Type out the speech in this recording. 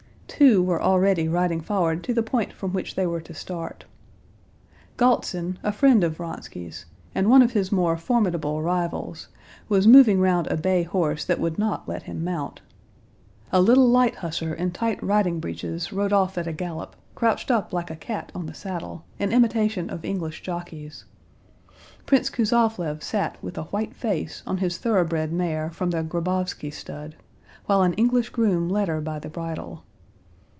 Two were already riding forward to the point from which they were to start. Galtsin, a friend of Vronsky's and one of his more formidable rivals, was moving round a bay horse that would not let him mount. A little light hussar in tight riding breeches rode off at a gallop, crouched up like a cat on the saddle, in imitation of English jockeys. Prince Kuzovlev sat with a white face on his thoroughbred mare from the Grabovsky stud, while an English groom led her by the bridle.